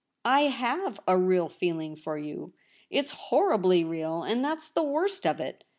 4 /lave a real feeling for you. It's horribly real, and that's the worst of it.